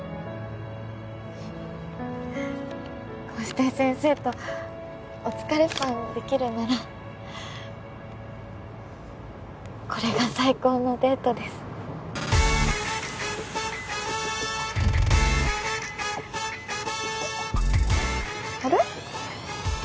こうして先生とお疲れパンできるならこれが最高のデートですあれ？